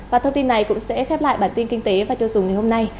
và thông tin này cũng sẽ khép lại bản tin kinh tế và tiêu dùng ngày hôm nay